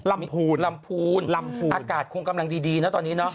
พูนลำพูนลำพูนอากาศคงกำลังดีนะตอนนี้เนาะ